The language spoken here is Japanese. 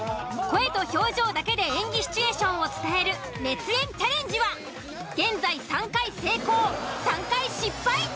声と表情だけで演技シチュエーションを伝える熱演チャレンジは現在３回成功３回失敗。